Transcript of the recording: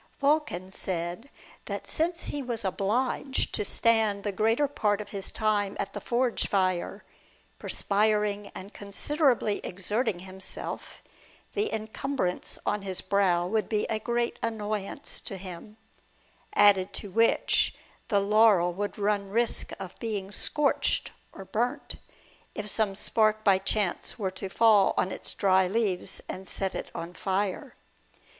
Vulcan said, that since he was obliged to stand the greater part of his time at the forge fire, perspiring and considerably exerting himself, the en cumbrance on his brow would be a great annoyance to him ; added to which, the laurel would run risk of being scorched or burnt, if some spark by chance were to fall on its dry leaves and set it on fire.